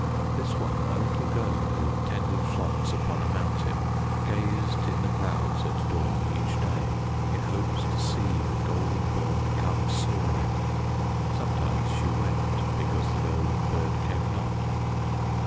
This one, a little girl who tended flocks upon a mountain, gazed in the clouds at dawn each day in hopes to see The Golden Bird come soaring. Sometimes she wept because The Golden Bird came not.